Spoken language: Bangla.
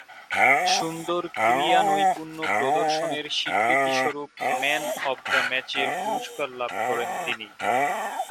সুন্দর ক্রীড়ানৈপুণ্য প্রদর্শনের স্বীকৃতিস্বরূপ ম্যান অব দ্য ম্যাচের পুরস্কার লাভ করেন তিনি।